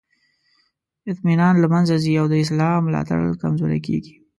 اطمینان له منځه ځي او د اصلاح ملاتړ کمزوری کیږي.